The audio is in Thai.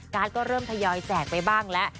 การ์ดก็เริ่มพยายอยแจกไปบ้างแล้ว